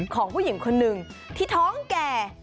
ของผู้หญิงคนหนึ่งที่ท้องแก่